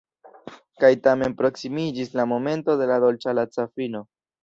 Kaj tamen proksimiĝis la momento de la dolĉa laca fino.